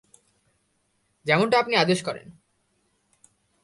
যেমনটা আপনি আদেশ করেন!